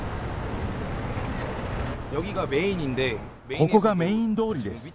ここがメイン通りです。